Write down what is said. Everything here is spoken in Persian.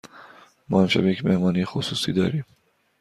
ما امشب یک مهمانی خصوصی داریم.